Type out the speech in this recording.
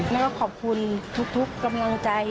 แล้วก็ขอบคุณทุกกำลังใจ